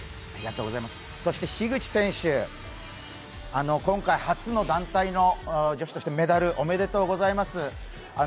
樋口選手、今回初の団体の女子としてメダル、おめでとうございます。